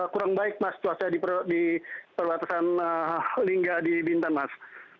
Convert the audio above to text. kurang baik mas cuaca di perbatasan lingga di bintan mas